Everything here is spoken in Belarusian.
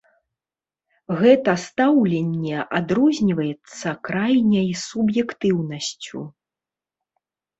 Гэта стаўленне адрозніваецца крайняй суб'ектыўнасцю.